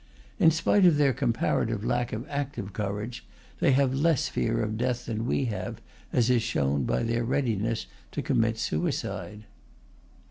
In spite of their comparative lack of active courage, they have less fear of death than we have, as is shown by their readiness to commit suicide.